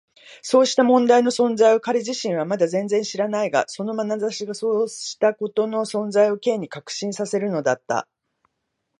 そうした問題の存在を彼自身はまだ全然知らないが、そのまなざしがそうしたことの存在を Ｋ に確信させるのだった。